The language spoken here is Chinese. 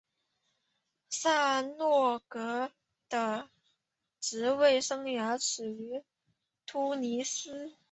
萨诺戈的职业生涯始于突尼斯。